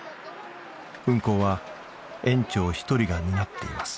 運行は園長１人が担っています。